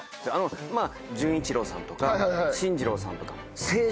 まぁ純一郎さんとか進次郎さんとか。